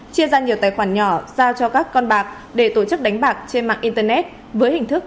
chia ra nhiều tài khoản nhỏ giao cho các con bạc để tổ chức đánh bạc trên mạng internet với hình thức